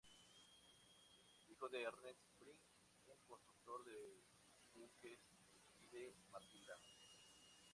Hijo de Ernest Bright, un constructor de buques, y de Matilda.